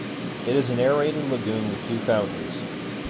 It is an aerated lagoon with two fountains.